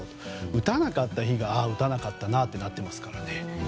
打たなかった日がああ、打たなかったなってなってますからね。